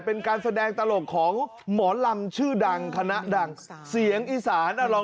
เป็นการแสดงตลกของหมอลำชื่อดังคณะดังเสียงอีสาน